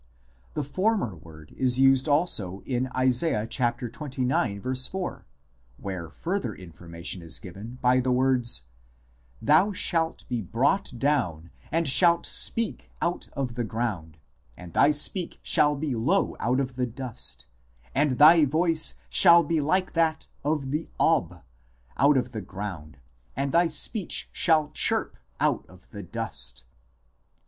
The former word is used also in Isa. xxix. 4, where further information is given by the words, " thou shalt be brought down and shalt speak out of the ground, and thy speech shall be low out of the dust ; and thy voice shall be like that of the Ob, out of the ground, and thy speech shall chirp out of the dust."